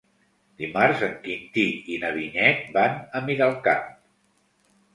Dimarts en Quintí i na Vinyet van a Miralcamp.